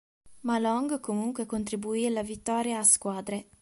Ma Long comunque contribuì alla vittoria a squadre.